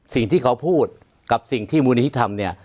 สิ่งที่เขาพูดกับสิ่งที่มูลนิธิทำเนี่ย